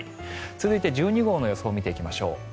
続いて１２号の予想を見ていきましょう。